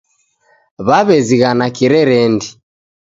Waw'ezighana Kirerendi